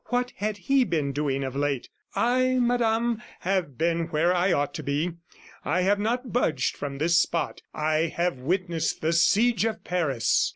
What had he been doing of late? "I, Madame, have been where I ought to be. I have not budged from this spot. I have witnessed the siege of Paris."